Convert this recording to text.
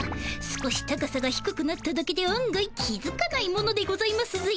少し高さがひくくなっただけで案外気づかないものでございますぜ。